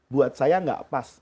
buat saya tidak pas